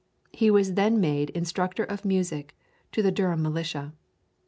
He was then made Instructor of Music to the Durham Militia.